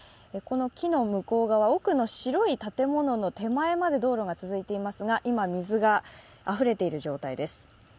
木の向こう側、奥の白い建物の手前まで道路が続いていますが、今、水があふれている状態です。